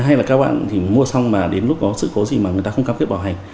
hay là các bạn thì mua xong mà đến lúc có sự cố gì mà người ta không cam kết bảo hành